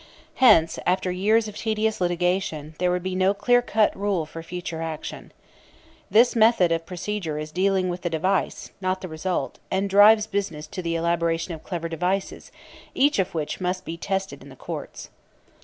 Hence, after years of tedious litigation there would be no clear cut rule for future action. This method of procedure is dealing with the device, not the result, and drives business to the elaboration of clever devices, each of which must be tested in the courts.